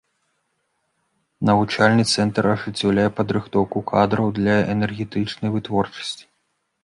Навучальны цэнтр ажыццяўляе падрыхтоўку кадраў для энергетычнай вытворчасці.